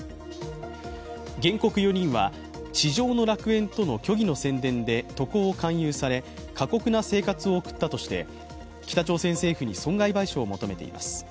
原告４人は地上の楽園との虚偽の宣伝で渡航を勧誘され、過酷な生活を送ったとして北朝鮮政府に損害賠償を求めています。